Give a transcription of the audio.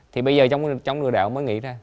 thì bây giờ trong người đạo mới nghĩ ra